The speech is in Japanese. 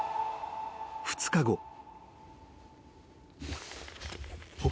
［２日後］